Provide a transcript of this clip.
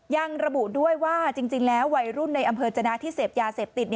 ยังระบุด้วยว่าจริงแล้ววัยรุ่นในอำเภอจนะที่เสพยาเสพติด